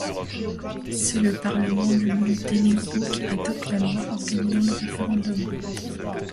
C'est le Parlement du Monténégro qui adopte la loi organisant le référendum.